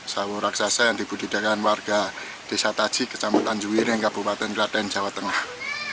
sawo raksasa yang dibudidakan warga desa taji kecamatan juwiring kabupaten kelaten jawa tengah